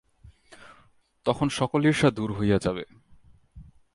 তখন সকল ঈর্ষা দূর হইয়া যাইবে।